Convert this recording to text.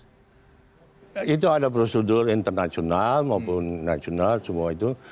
nah itu ada prosedur internasional maupun nasional semua itu